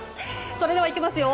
それではいきますよ。